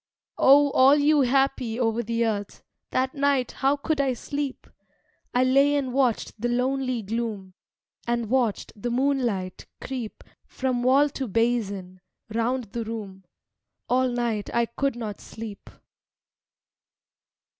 Oh, all you happy over the earth, That night, how could I sleep? I lay and watched the lonely gloom; And watched the moonlight creep From wall to basin, round the room. All night I could not sleep.